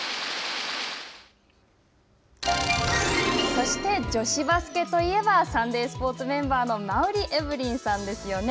そして女子バスケといえば、サンデースポーツメンバーの馬瓜エブリンさんですよね。